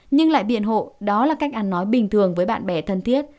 nhưng lại biện hộ đó là cách ăn nói bình thường với bạn bè thân thiết